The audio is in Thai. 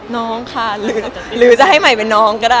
น้องค่ะหรือจะให้นายเป็นน้องค่ะ